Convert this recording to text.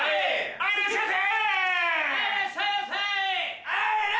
はいいらっしゃいませ！